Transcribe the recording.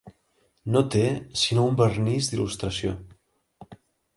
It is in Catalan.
No té sinó un vernís d'il·lustració.